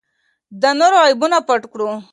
د نورو عیبونه پټ کړئ.